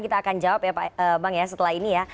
kita akan jawab ya bang ya setelah ini ya